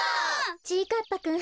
ちぃかっぱくん。